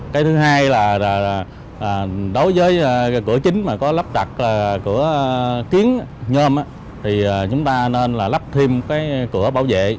cái thứ hai là đối với cửa chính mà có lắp đặt cửa kiến nhôm thì chúng ta nên là lắp thêm cái cửa bảo vệ